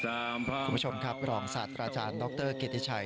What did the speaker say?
น้ำมนตรศาสตร์คุณผู้ชมครับรองศาสตร์ราจารย์ดรเกษตร์ชัย